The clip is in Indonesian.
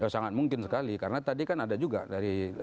sangat mungkin sekali karena tadi kan ada juga dari